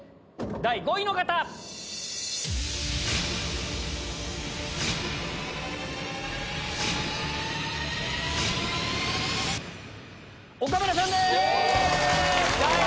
第５位岡村さんです！